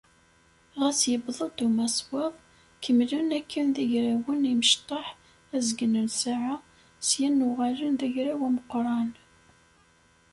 Ɣas yewweḍ-d umaswaḍ, kemmlen akken d igrawen imecṭaḥ azgen n ssaɛa, syen uɣalen d agraw ameqqran.